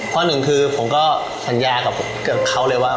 ข้อหนึ่งคือผมก็สัญญากับเขาเลยว่า